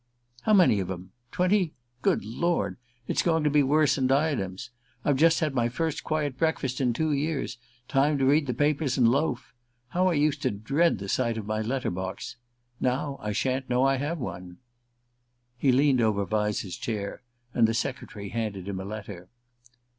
"How many of 'em? Twenty? Good Lord! It's going to be worse than 'Diadems.' I've just had my first quiet breakfast in two years time to read the papers and loaf. How I used to dread the sight of my letter box! Now I sha'n't know I have one." He leaned over Vyse's chair, and the secretary handed him a letter.